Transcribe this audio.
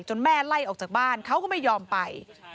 แม่ไล่ออกจากบ้านเขาก็ไม่ยอมไป